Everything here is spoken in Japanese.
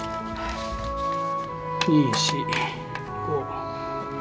２４５。